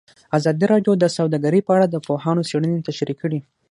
ازادي راډیو د سوداګري په اړه د پوهانو څېړنې تشریح کړې.